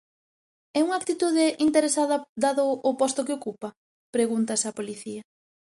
É unha actitude interesada dado o posto que ocupa?, pregúntase a policía.